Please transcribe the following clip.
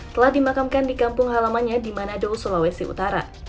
telah dimakamkan di kampung halamannya di manado sulawesi utara